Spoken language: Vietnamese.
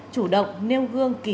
chủ động nêu gương kỳ cưu